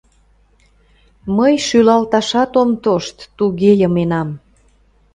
Мый шӱлалташат ом тошт, туге йыменам.